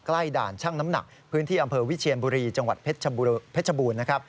ด่านช่างน้ำหนักพื้นที่อำเภอวิเชียนบุรีจังหวัดเพชรบูรณ์นะครับ